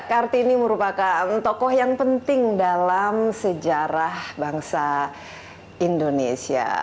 kartini merupakan tokoh yang penting dalam sejarah bangsa indonesia